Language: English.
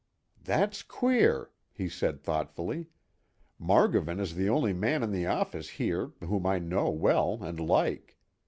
"That's queer," he said thoughtfully. "Margovan is the only man in the office here whom I know well and like.